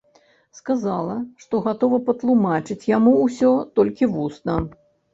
Сказала, што гатова патлумачыць яму ўсё толькі вусна.